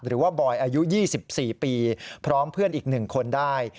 หรือว่าบอยอายุ๒๔ปีพร้อมเพื่อนอีกหนึ่งคนได้